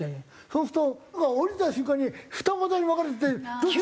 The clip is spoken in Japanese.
そうすると降りた瞬間に二股に分かれて。